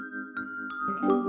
terima kasih yoko